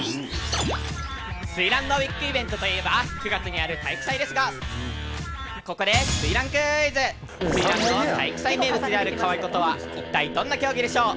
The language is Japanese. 翠嵐のビッグイベントといえば９月にある体育祭ですがここで翠嵐の体育祭名物である「可愛子」とは一体どんな競技でしょう？